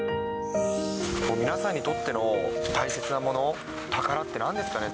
皆さんにとっての、大切なもの、宝ってなんですかね。